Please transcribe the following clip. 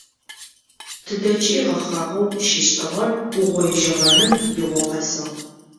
Тыдэкӏи гъэхъагъэу щишӏыгъэр угъоижьыгъэным игъо къэсыгъ.